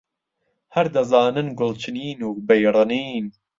هەر دەزانن گوڵ چنین و بەی ڕنین